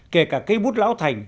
kể cả cây bút lão thành